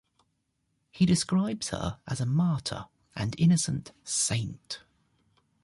He describes her as a martyr and innocent "saint".